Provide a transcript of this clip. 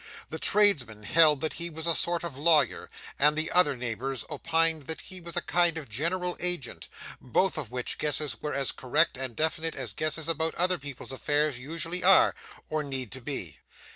The tradesmen held that he was a sort of lawyer, and the other neighbours opined that he was a kind of general agent; both of which guesses were as correct and definite as guesses about other people's affairs usually are, or need to be.